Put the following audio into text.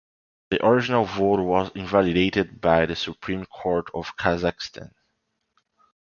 The original vote was invalidated by the Supreme Court of Kazakhstan.